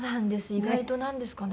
意外となんですかね